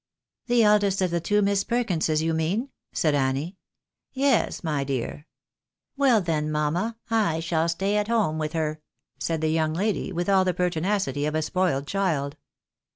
" The eldest of the two Miss Perkinses you mean ?" said Annie. " Yes, my dear." " Well, then, mamma, I shall stay at home with her," said the young lady, with all the pertinacity of a spoiled child.